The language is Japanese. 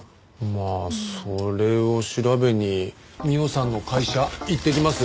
まあそれを調べに美緒さんの会社行ってきます。